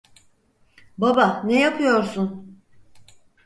Baba, ne yapıyorsun?